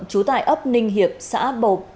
chú tài ấp ninh hiệp xã bộc